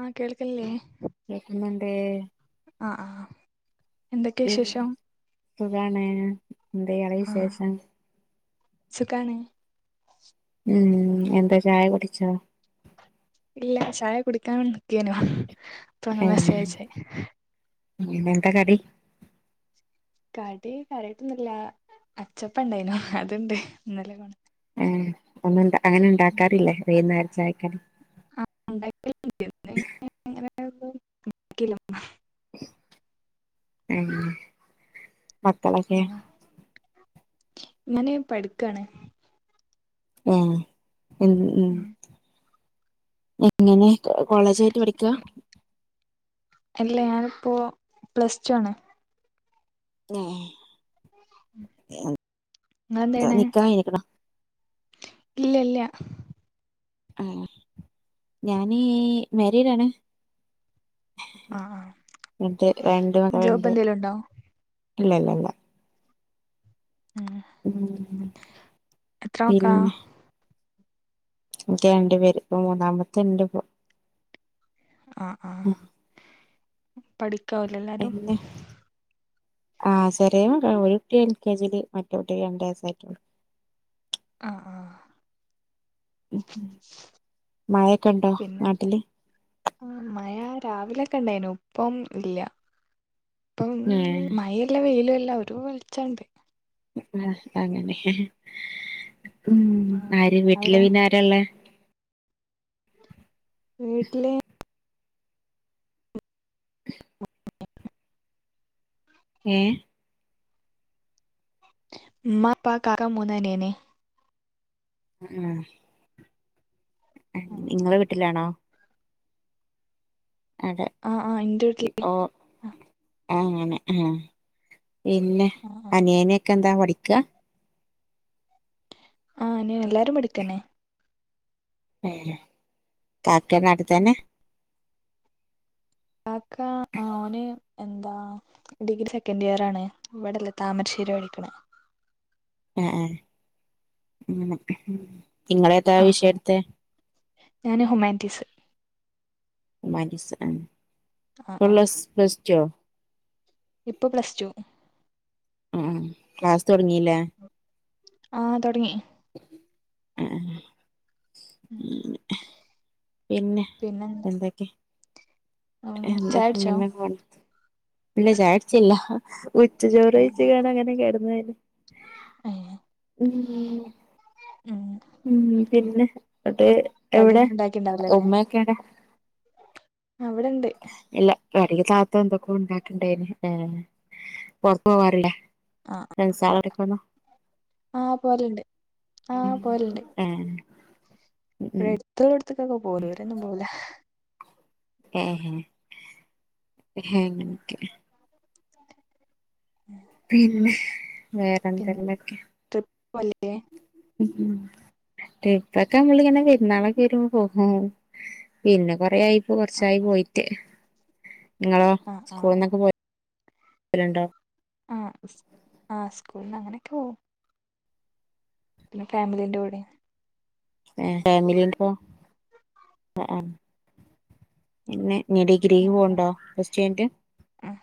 ആഹ കേൾക്കില്ലേ. പേ. ആ ആ. ഇഫ് സുഖാണ് എന്തയിയാളെ ആഹ് വിശേഷം? സുഖാണ്. ഉം എന്താ ചായ കുടിച്ചോ. ഇല്ല ചായ കുടിക്കാൻ വേണ്ടി നികയിന്നു ഉം അപ്പള നിങ്ങൾ മെസ്സേജ് അയച്ച്. ഉം എന്താ കറി. കടി കാര്യയ്ട്ടൊന്നില്ല അച്ചപ്പം ഇണ്ടായിനു അതുണ്ട് ഇന്നല്ലകൊണ്ട ഏ ഒന്നും അങ്ങനെ ഉണ്ടാക്കാറില്ലേ വൈകുന്നേരചായക്കക്ക്‌. ആ ഉം ഉണ്ടാക്കൽ ഉണ്ട് ഉം ആ ക്കിലും. ഉം മത്തളങ്ങെ. ഇങ്ങനെ പഠിക്കാണ്. ആഹ ഏ മ്മ് മ്മ് ഉ എങ്ങനെ. കോളേജ് ആയിട്ട് പഠികാ. അല്ല ഞാനിപ്പോ പ്ലസ്ടു ആണ്. ഏഹ് എൻ ഇങ്ങളെന്താ ചെയ്യണേ നിക്കാ എനിക്ക്ണ്. ഇല്ല ഇല്ല. ആഹ ഞാനി മേരീഡാണ്. ഹെ ആഹ് ആഹ് എണ്ട് ജോബ് രണ്ട്ണ്ട്. എന്തേലും ഉണ്ടോ ഇല്ല ഇല്ല ഇല്ല. ഉം എത്ര മക്കളാ പിന്നെ. എനിക്ക് രണ്ടു പേര് ഇപ്പ മൂന്നാമത്ത് ഇണ്ട് ഇപ്പോ. ആഹ ആഹ പഠിക്കാവും അല്ലെ എല്ലാരും. ആ ശെരെ മകൾ ഒരു കുട്ടി എൽ കെ ജിയില് മറ്റേ കുട്ടി രണ്ട് വയസ്സായിട്ടുള്ളൂ. ആ ആ. ഉം ഉം മഴയൊക്കെ ഉണ്ടോ പിന്നെ നാട്ടില്. രാവിലെൊക്കെ ഉണ്ടായ്ൻ ഇപ്പം ഇല്ല ഇപ്പം ഏഹ് മഴയില്ല വെയിലുംയില്ല. അല്ല ഒരു വെളിച്ചണ്ട്. ആഹ അങ്ങനെ ഹെഹെ ഉം ആഹ് ആര് അവിടെ വീട്ടില് പിന്ന ആരയുള്ളെ? വീട്ടിൽ. ഏ. ഇമ്മഇപ്പകാക്ക മൂന്ന് അനിയൻ. ഉം ഉം. ആഹ് നിങ്ങളെ വീട്ടിലാണോ അത ആഹ് ഇന്റെ വീട്ടില് ഓ ആങ്ങനെ ആഹ പിന്നെ ആഹ് അനേനൊക്കെ എന്താ പഠിക്ക ആഹ് അനീൻ എല്ലാരും പഠിക്കനെ കാക്കനാടുത്തന്നെ കാക്ക ആ അവന് എന്താ ഡിഗ്രി സെക്കൻഡ് ഇയർ ആണ് ഇവിടെല്ലേ താമരശ്ശേരി പഠിക്കണ ആ നിങ്ങളെ ത ആഹ് വിഷയം ആഹ് എടുത്തെ ഞാന് ഹുമാന്റ്റീസ് ഹുമാനിറ്റീസ്ആ ആഹ് ആഹ് പ്ലസ് പ്ലസ് ടുവോ ഇപ്പൊ പ്ലസ് ടു ആ ക്ലാസ് തുടങ്ങില്ലേ ആഹ് തുടങ്ങി ഉഹ ഉം പിന്നെ എന്തൊക്കെ ഉം എന്താ ചായുടിച്ചോ അങ്ങന പോണ് ഇല്ല ചായ കുടിച്ചില്ല ഉച്ച ചോറ കഴിച്ച ആഹ് ഞാൻ ആഹ് അങ്ങനെ കടന്നന് ഏഹ് ഉം ഉം ഉ പിന്നെ അ് എവിടെ കടിയൊന്നും ഉണ്ടാക്കിണ്ടാവില്ലല്ലേ ഉമ്മൊക്കെ വിടെ അവിടെണ്ട് അവിടെ താത്ത എന്തൊക്കെ ഉണ്ടാക്കണ്ടായിന് പുറത്ത പോവാറില്ല ആഹ് ആഹ് സംസറടക്കന്നോ [inaudible] ആഹ് പോലുണ്ട് ആഹ് പോലുണ്ട് ഏഹ് ഉം ഇവിടെ എടുത്തള്ള എടുത്തക്കെ പോകുന്നു ദൂരൊന്നും പോവൂല ആഹ ഹ നനക്ക് പിന്നെ വേറെന്തെല്ലൊക്കെ പോലേ [inaudible] ഉം ഇപ്പൊക്കെ നമ്മളിങ്ങനെ പെരുന്നാളൊക്കെ വരുമ്പോ പോവും ആ പിന്നെ കൊറ ആയിപ്പോ ആഹ് കൊറച്ചായി ആഹ് പോയിട്ടേ നിങ്ങളോ ആഹ് സ്കൂളിൽ ആഹ് നിന്നൊക്കെ പോയിണ്ടോ ആഹ ആഹ് സ്കൂള അങ്ങനെയൊക്കെ പോവും പിന്നെഫാമിലിന്റെ കൂടെ ഫാമിലി ആ ആപിന്നെ ഇനിഡിഗ്രിക്ക് ആഹ് ആഹ് പോണ്ടോ ഫസ ചെയ് ആഹ്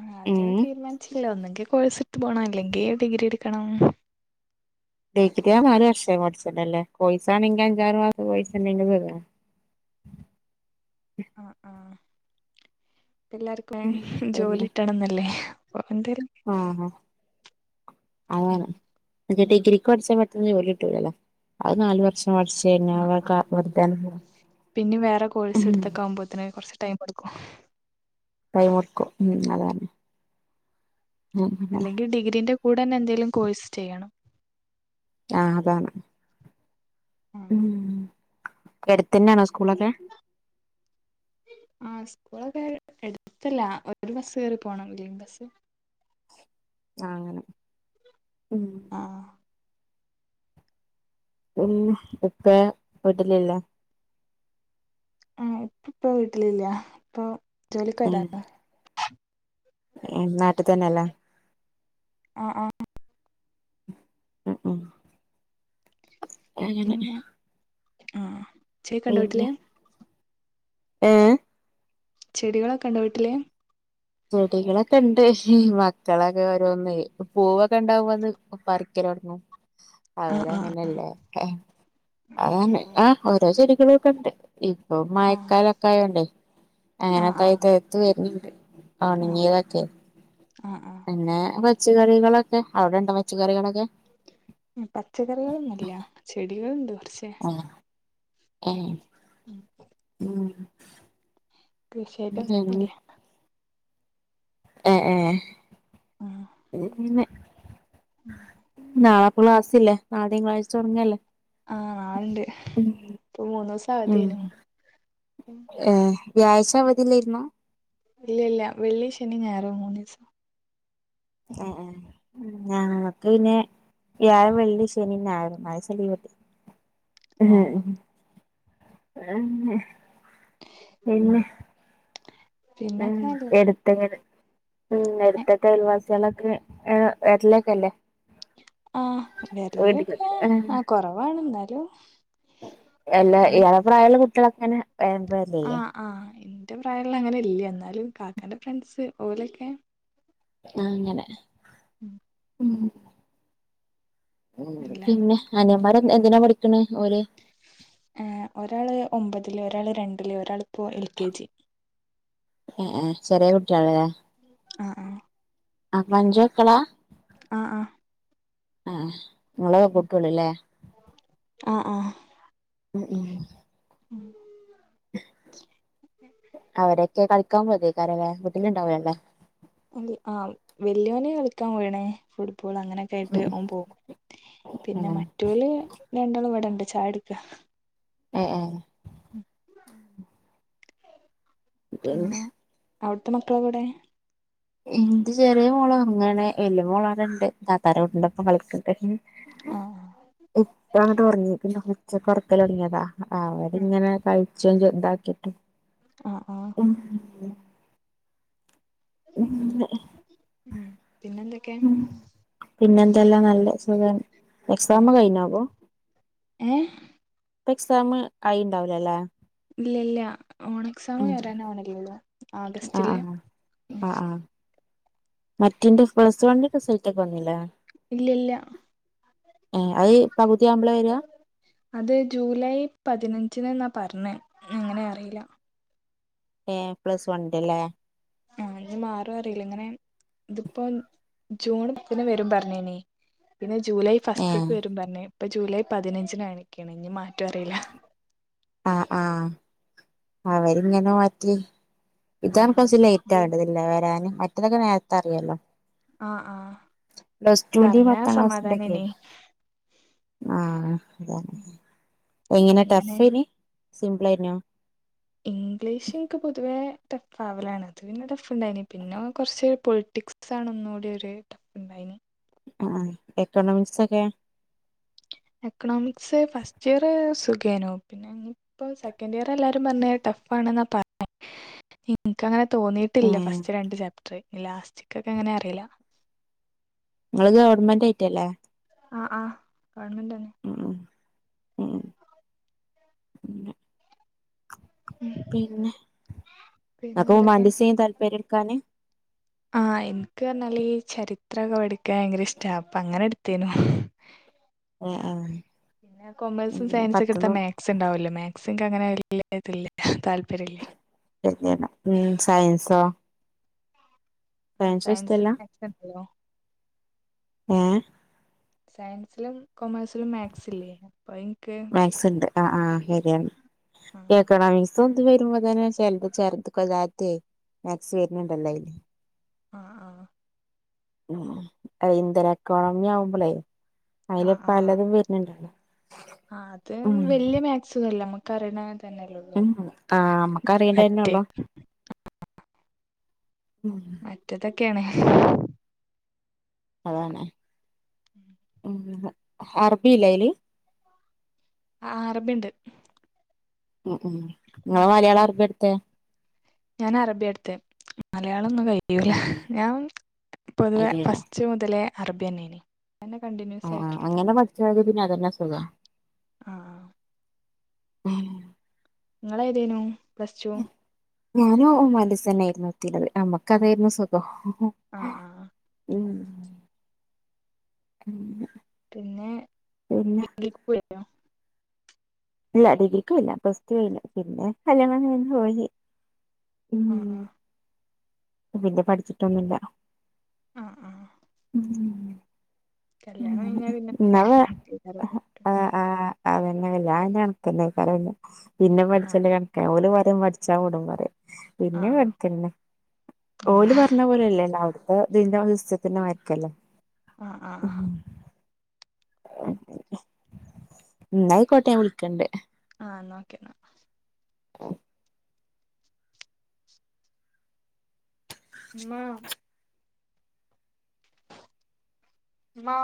ആ അത് ഉം തീരുമാനിച്ചില്ലോ ഒന്നെങ്കി കോഴ്സ് ഇട്ട് പോണം അല്ലെങ്കി ഡിഗ്രി എടുക്കണം ഡിഗ്രി ആണെങ്കിനാലുവർഷം അല്ലേ പഠിച്ചിട്ടില്ല ഡേ അർക്ഷം കുടിച്ചിട്ടല്ലേ പയിസാണെങ്കിൽ അഞ്ചാറ് മാസം പയിസണ്ടെങ്കിൽ തര എല്ലർക്കും പിന്നെ ജോലി കിട്ടണംന്നല്ലേ അപ്പൊ എന്തേലും ഉം അതാണ് എ ഡിഗ്രിക്ക് പഠിച്ചാ പെട്ടെന്ന് ജോലി കിട്ടൂലല്ലോ അത് നാല് വർഷം പഠിച്ച് കഴിഞ്ഞാ ആ വെക ആ വെറുതെയാണ് പോവാ പിന്നെ വേറെ കോഴ്സ് ഉം എടുത്തൊക്കെ ആവുമ്പോത്തനെ കൊറച്ച് ടൈം എടുക്കും ടൈമെടുക്കും ഉം അതാണ് ഉം അല്ലെങ്കിൽ ഡിഗ്രീന്റെ കൂടെന്നെ എന്തെങ്കലും കോഴ്സ് ചെയ്യണം ആഹ് അതാണ് ഉം ഉ അടുത്തന്നെയാണോ സ്കൂളൊക്കെ ഇവിടെഎടുത്തല്ല ഒരു ബസ് കേയറി പോണം ലൈൻബസ് ആ അങ്ങനെ ഉം ആ ഉം ഇപ്പ വീട്ടലില്ല ഏഹ് ഇപ്പ ഇപ്പ വീട്ടിലില്ല്യ ഇപ്പൊ ജോലിക്കോയതാണ് ഏഹ് നാട്ട് തന്നെല്ലേ ആഹ് ആഹ് അ ഉം അങ്ങനെ പിന്നെ ആഹ് ചേക്കണ്ടോ വീട്ടില് പിന്നെ ഏഹ് ചെടികളൊക്കെ ഉണ്ടോ വീട്ടില് ചെടികളൊക്കെ ഉണ്ട് മക്കളൊക്കെ ഓരോന്നെയ് പൂവൊക്കെ ഉണ്ടാവുമ്പൊന്ന് പറിക്ക ലൊടങ്ങും ആഹ് ആഹ് അവരങ്ങനെല്ലേ അത് തന്നെ ഉം ആഹ് ഓരോ ചെടികളു ഒക്കെ ഇണ്ട് ഇപ്പൊ ആഹ് മയക്കാലൊക്കെ ആയോണ്ടേ അങ്ങനെ ആഹ് തൈ ആഹ് തഴ്ത്ത് വര്ന്ണ്ട് ആഹ് ഒണങ്ങീതെക്കെ ആഹ് ആഹ് പിന്നെ വെ ച്ച് കറികളൊക്കെ അവടെ ഇണ്ടോ വച്ചുകറികളൊക്കെ പച്ചക്കറികളൊന്നുല്ല്യ ചെടികള്ണ്ട് കൊ ആഹ് ഏഹ് ഉം കൃഷിയായിട്ടൊന്നുല്ല്യ. ഏഹ് ഏഹ് ആഹ് ഇന്ന് നാ ക്ലാസ്സില്ലേ നാളെ തിങ്കളാഴ്ച തൊടങ്ങല്ലേ ആഹ് നാളണ്ട് ഇപ്പൊ മൂന്നൂസം അവധിയേനു. ഏയ് വ്യാഴ്ച്ച അവധില്ലായിരുന്നോ ഇല്ല ഇല്ല വെള്ളി ശനി ഞായറും മൂന്ന് ദിവസം ആഹ്‌ ആഹ് എന്നാ മറ്റേയിനെ വ്യാഴം, വെള്ളി, ശനി, ഞായർ നാലു ദിവസം ലീവുണ്ട് ആഹ് ഉം [unintelligible] ഉം പിന്നെ ഉം പിന്നൊക്കെ അല്ലേ എടുത്തങ്ങട് ഉം എടുത്തിട്ടയൽ വാ- [unintelligible] ആ വരലൊക്കെ ആ കുറവാണ് എന്നാലും എല്ലാ അങ്ങനെ ഇയാള പ്രായമുള്ള കുട്ടികളക്കങ്ങനെ ആഹ് ആഹ് എന്റെ പ്രായമുള്ള അങ്ങനെ ഇല്ലേ എന്നാലും കാക്കാന്റെ ഫ്രണ്ട്സ് ഓലൊക്കെ ആ അങ്ങനെ ഉം ഉം ഉംപിന്നെ അനയന്മാര് എന്തിനാ പഠിക്കണെ ആ ഒരാള് ഒമ്പതില് ഒരാള് രണ്ടില് ഒരാള് ഇപ്പോ എൽ കെ ജി ആഹ് ആഹ് ചെറിയ കുട്ടിയാളാ ആഹ് ആഹ് ആ അഞ്ച് മക്കളാ ആ ആ ആ നിങ്ങള് പെക്കോളുല്ലേ ആ ആ ഉം ഉം അവരൊക്കെ കളിക്കാൻ പോയതിക്കാരല്ല വീട്ടില ഉണ്ടാവല്ലോ ആ വല്യയോനെ കളിക്കാൻ പോയിണേ ഇപ്പോൾ അങ്ങനെയൊക്കെ ആയിട്ട് ഉം ഓൻ പോം പിന്നെ ഉം മറ്റോല് രണ്ടോളും ഇവിടെണ്ട് [unintelligible] ചായെടിക്ക ഉം ഉം ഇക് പിന്നെ അവിടുത്തെ മക്കളെവിടെ എന്റെ ചെറിയ മോള അങ്ങനെ വലിയ മോളവിടെണ്ട് താത്താരോ കുട്ടികളൊപ്പം കളിക്ക്‌ ഇപ്പഴ് ആഹ് ഇപ്പ അങ്ങട്ട് ഉറങ്ങി പിന്ന ഉച്ചക്ക് ഉറക്കൽ തുടങ്ങിയതാ ആഹ് അവരിങ്ങനെ കഴിച്ചോ ചോ ഇതാക്കിട്ട് ആഹ് ആഹ് ഉം ഉം പിന്നെന്തൊക്കെയാ പിന്നെന്തല്ലാം നല്ല സുഖാ എക്സാം കഴിഞാവോ ഏഹ് ഇപ്പൊ എക്സാം ആയി ഉണ്ടാവ് ലല്ലാ ഇല്ല ഇല്ല ഓൺ എക്സാമ് വരാന് ആവുണല്ലേ ഒള്ളൂ ആഹ് ആഗസ്റ്റില് ആഹ് ഉം ആഹ് ആഹ് മറ്റിന്റെ പ്ലസ് വണ്ണിന്റെ റിസൾറ്റ് ഒക്കെ വന്നില്ല ഇല്ല ഇല്ല ഏ അത് പകുതിയാവുമ്പള വരിആ അത് ജൂലൈ പതിനഞ്ചിന് എന്നാ പറഞ്ഞേ എങ്ങനാ അറിയില്ല ഏ പ്ലസ് വൺന്റെ അല്ലേ ആ ഇനി മാറും ജൂണ്ത്തിന് വരും പറഞ്ഞേനേ പിന്നെ ജൂലൈ ഏഹ് ഫസ്റ്റേക്ക് വരും പറഞ്ഞ് ഇപ്പൊ ജൂലൈ പതിനഞ്ചിന എണിക്കണി ഇനി മാറ്റം അറിയില്ല ആ ആ അവരിങ്ങനെ മാറ്റി ആ ഇതാണ് ഇപ്പ ചി ലേറ്റ് ഇത് ആടുവല്ലേ വരാന് മറ്റതൊക്കെ നേരത്തെ അറിയുവല്ലോ ആ ആ പ്ലസ്ടുന്റെ ഇതറിഞ്ഞാ പത്താം ക്ലാസ്സിന്റെക്കെ സമാധാനേനി ആ അത എങ്ങനെ ഇങ്ങനെ ടഫേന് സിപിളഅയ്നോ ഇംഗ്ലീഷ് ഇന്ക്ക് പൊതുവേ ടഫ് ആവലാണ് അത് പിന്നെ ടഫ് ഉണ്ടായിന് പിന്നെ കുറച്ച് പൊളിറ്റിക്സ് ആണ് ഒന്നൂടി ഒരു ടഫ്ഉണ്ടായിനി ആ എക്കോണമിക്സ് ഒക്കെ എക്കണോമിക്സ് ഫസ്റ്റ് ഇയർ സുഖേനോ പിന്നെ ഇപ്പോ സെക്കൻഡ് ഇയർ എല്ലാവരും പറഞ്ഞ് ടഫ ണെന്ന പറഞ്ഞെ ഇന്ക്ക് അങ്ങനെ തോന്നിയിട്ടില്ല ഏഹ് ഫസ്റ്റ് രണ്ട് ചാപ്റ്റർ ലാസ്റ്റക്കൊക്കെ അങ്ങനെ അറിയില്ല നിങ്ങള് ഗവൺമെന്റ് ആയിട്ടല്ലേ ആ ആ ഗവൺമെന്റ് തന്നെ ഉം ഉം ഉം. പിന്നെ പിന്നെ നക് ഹ്യുമാനിറ്റീസ താല്പര്യം എടുക്കാന് ആഹ എനിക്ക് പറഞ്ഞാല് ഈ ചരിത്രമൊക്കെ പഠിക്കാൻ ഭയങ്കര ഇഷ്ടാ അപ്പൊ അങ്ങനെ എടുത്തേനു ആ ആ പിന്നെ കൊമേഴ്സും സയൻസ ഒക്കെ എടുത്താ മാത്സ് ഉണ്ടാവല്ലോ മാത്സ എന്ക്ക് അങ്ങനെ വല്യ ഇതില്ല താല് [unintelligible] ഉം സയൻസോ ആ സയൻസും സയൻസ് ഇഷ്ടല്ല മാത്സ് ഒണ്ടല്ലോ ഏഹ് സയൻസിലും കൊമേഴ്സിലും മാത്സ് ഇല്ലേ അപ്പൊ എന്ക്ക് [unintelligible] എക്കണാമിക്സും ത് വരുമ്പോ തന്നെ ചിലത് [unintelligible] ആ ആ ഉം ഇന്ധന എക്കോണമി ആവുമ്പോളെ ആ അതില് ആ ആ പല്ലതും വരുന്നുണ്ടല്ലോ ആ അത് ഉം വല്യ മാകസുല്ല നമ്മുക്ക അറിയണ തന്നെല്ലേള്ളൂ ഉം ആ അമ്മക്ക് മറ്റേ അറിയണന്നെള്ളോ മറ്റേതൊക്കെയാണ് അതാണ് ഇഹ് അറബില്ല അയില് ആ അറബി ഇണ്ട് ഉം ഉം നിങ്ങള് മലയാള അറിബി എടുത്തേ ഞാൻ അറബിയാട്ത്തെ മല യാളൊന്നും കഴിയൂല ആഹ് ആഹ് ഞാൻ പൊതുവെ അതെയോ ഫസ്റ്റ് മുതലേ അറബിന്നേനി ആ ആ അങ്ങനെ പഠിചാല് പിന്നെ അതന്നെ സുഖം ആ നിങ്ങള് ഏതേനു പ്ലസ് ടു ഞാനോ ഹുമാറ്റീൻ സ് ആയിരുന്നു എടുത്തിരുന്നത് നമ്മക്ക് ആ അതെര്ന്നു സുഖം ഹു ആ ആ മ് പിന്നെ പിന്നെ [unintelligible] ഇല്ല ഡിഗ്രിക്കോയില്ല പ്ലസ്ടു കഴിഞ്ഞ് പിന്നെ കല്ല്യാണം കഴിഞ്ഞ് പോയി ആ ഉം ആ പിന്നെ പഠിച്ചിട്ടൊന്നുല്ല ആ ആ കല്യാണം കഴിഞ്ഞ പിന്നെക്കെ വേ കണക്കെക്കാരെ ആ [unintelligible] സാരല്ല പിന്നെ പഠിച്ചല് കണക്ക ഓല് പറിം പഠിച്ചാ വിടും പറയും ആ പിന്നെ കണ്ക്കെന്നെ ആ ഓല് പറഞ്ഞ പോലെല്ലേ ണ്ടാവു അയ് ഇതിന്റെ [unintelligible] മാര്ക്കല്ലേ ആ ആ ആ എന്നായിക്കോട്ടെ വിളിക്കണ്ട് ആ ഇന്ന ഓക്കെ ആ ഇമ്മാ ഇമ്മാ